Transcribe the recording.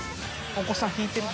お子さん引いてる。